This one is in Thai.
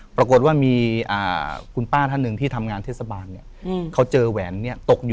ปรากฏว่ามีคุณป้าท่านหนึ่งที่ทำงานเทศบาลเนี่ย